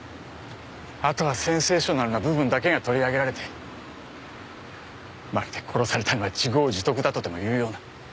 後はセンセーショナルな部分だけが取り上げられてまるで殺されたのは自業自得だとでもいうような。